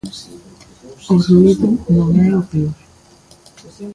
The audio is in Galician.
O ruído non é o peor.